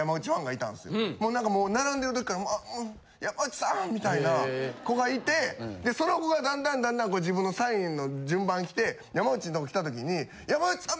もうなんかもう並んでるときから「山内さん」みたいな子がいてその子が段々段々自分のサインの順番きて山内のとこ来たときに「山内さん